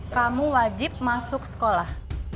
kamu wajib masuk sekolah